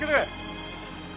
すいません。